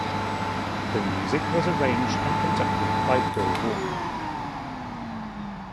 The music was arranged and conducted by Bill Walker.